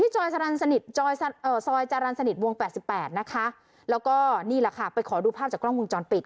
ซอยสนิทซอยจรรย์สนิทวง๘๘นะคะแล้วก็นี่แหละค่ะไปขอดูภาพจากกล้องวงจรปิด